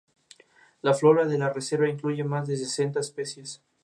Cuenta con numerosas dependencias municipales y distritos en todo el país.